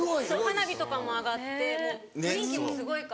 花火とかも上がって雰囲気もすごいから。